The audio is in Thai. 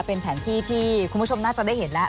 เป็นแผนที่ที่คุณผู้ชมน่าจะได้เห็นแล้ว